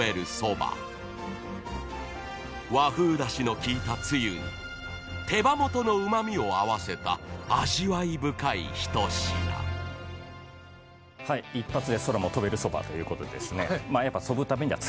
［和風だしの効いたつゆに手羽元のうま味を合わせた味わい深い一品］はい一発で空も飛べるそばということでですね。